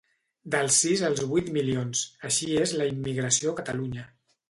Dels sis als vuit milions: així és la immigració a Catalunya